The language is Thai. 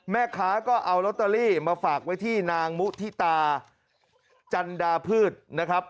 แม่ค้าก็เอาลอตเตอรี่มาฝากไว้ที่นางมุฒิตาจันดาพืชนะครับ